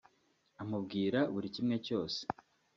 amubwira buri kimwe cyose